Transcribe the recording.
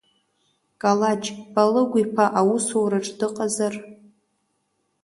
Калаџь Палыгә-иԥа аусураҿ дыҟазар?